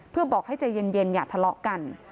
เพื่อบอกให้ใจเย็นอย่าทะเลาะกัน